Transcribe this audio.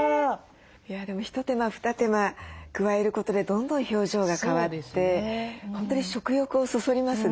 でも一手間二手間加えることでどんどん表情が変わって本当に食欲をそそりますね。